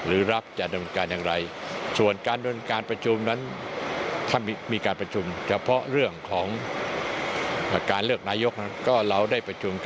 อืม